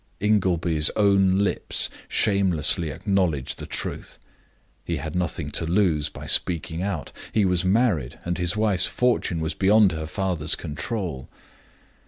Ingleby's own lips shamelessly acknowledged the truth. He had nothing to lose by speaking out he was married, and his wife's fortune was beyond her father's control.